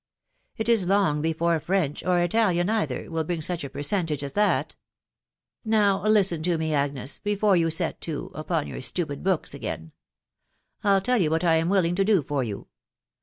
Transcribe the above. ... It is long before French, or Italian either, «H bring such a peiwwitage as that. •... Now listen to me, Agnes, Before you <set«*o, upon your stupid books •again. ... Ill tell ye* what I am willing to do lor you.